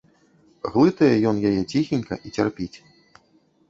Глытае ён яе ціхенька і цярпіць.